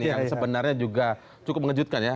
yang sebenarnya juga cukup mengejutkan ya